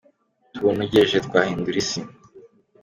Tuwunogeje twahindura isi